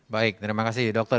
baik terima kasih dokter